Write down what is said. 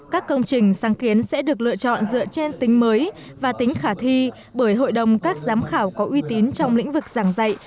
các công trình sáng kiến sẽ được lựa chọn dựa trên tính mới và tính khả thi bởi hội đồng các giám khảo có uy tín trong lĩnh vực giảng dạy